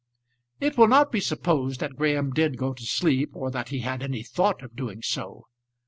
It will not be supposed that Graham did go to sleep, or that he had any thought of doing so.